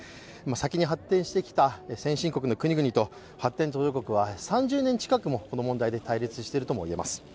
先に発展してきた先進国の国々と発展途上国は３０年近くもこの問題で対立しているとも言えます。